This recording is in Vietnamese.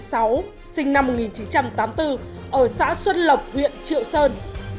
sinh năm một nghìn chín trăm tám mươi bốn ở xã xuân lộc huyện triệu sơn